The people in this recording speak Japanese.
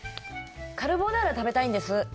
カルボナーラ食べたいんです。